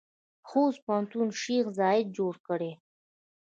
خوست پوهنتون شیخ زاید جوړ کړی؟